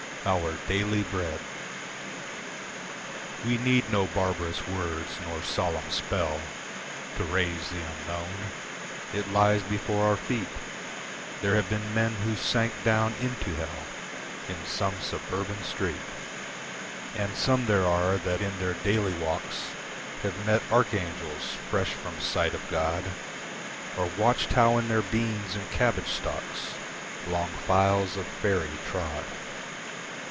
"Our Daily Bread" We need no barbarous words nor solemn spell To raise the unknown. It lies before our feet; There have been men who sank down into Hell In some suburban street, And some there are that in their daily walks Have met archangels fresh from sight of God, Or watched how in their beans and cabbage stalks Long files of faerie trod.